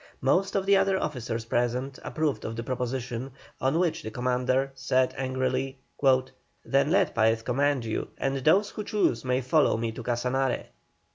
Most of the other officers present approved of the proposition, on which the commander said angrily, "Then let Paez command you, and those who choose may follow me to Casanare."